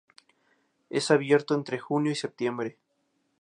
Es abierto entre junio y septiembre.